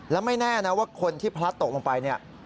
แล้วไม่แน่นะว่าคนที่พลัดตกลงไปเนี่ย